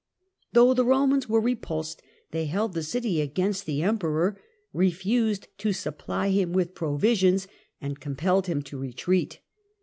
'" Though the Romans were repulsed, they held the city against the Emperor, refused to supply him with provisions, and compelled him to retreat.